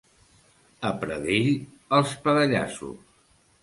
A Pradell, els pedallassos.